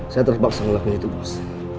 saya terpaksa ngelakunya itu bos